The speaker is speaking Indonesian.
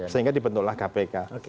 sehingga dibentuklah kpk